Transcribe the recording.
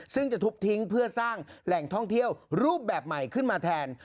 ซึ่งจะทุบทิ้งเพื่อสร้างแหล่งท่องเที่ยวรูปแบบใหม่ขึ้นมาแทน